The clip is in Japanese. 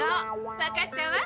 わかったわ。